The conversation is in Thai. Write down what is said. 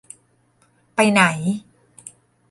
ไปไหน !